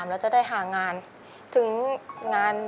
แล้วจะได้หางาน